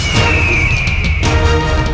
pergi ke melayu